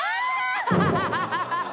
アハハハハ！